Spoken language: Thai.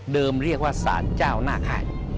เรียกว่าสารเจ้าหน้าค่าย